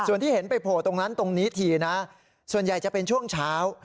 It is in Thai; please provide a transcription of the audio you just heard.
ส่วนที่เห็นไปโผล่ตรงนั้นตรงนี้ทีนะส่วนใหญ่จะเป็นช่วงเช้า